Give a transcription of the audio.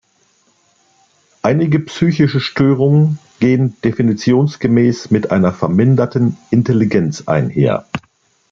Einige psychische Störungen gehen definitionsgemäß mit einer verminderten Intelligenz einher.